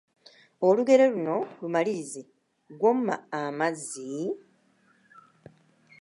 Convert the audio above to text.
Olugero luno lumalirize : Gw'omma amazzi, …..